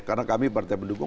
karena kami partai pendukung